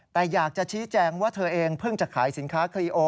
แต่อยากจะชี้แจงว่าเธอเองเพิ่งจะขายสินค้าคลีโอ